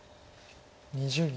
２０秒。